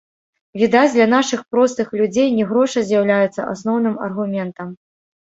Відаць, для нашых простых людзей не грошы з'яўляюцца асноўным аргументам!